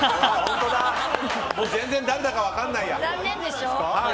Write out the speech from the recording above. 全然誰だか分からないや。